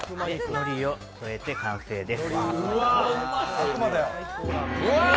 のりを添えて完成です。